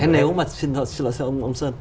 thế nếu mà xin lỗi xin lỗi xin lỗi ông sơn